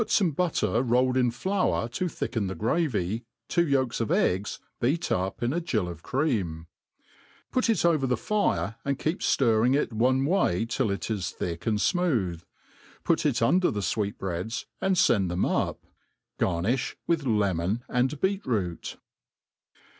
fome butter rolled in flour to thicken the gravy, two yoljka of eggs beat up in a gill of cream ; put it over (be fire ao4 keep ftirring it one way till it is thick and finooth $ pdt it uii« der the fweetbread^ and fend theoa up. Garnifli with lemon and beet root.